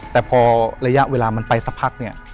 แต่พอระยะเวลามันไปสักพักเนี่ย